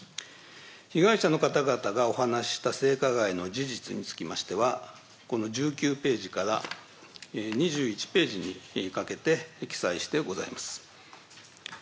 被害者の方々がお話しした性加害の事実につきましては、この１９ページから２１ページにかけて記載してございます。